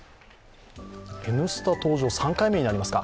「Ｎスタ」登場３回目になりますか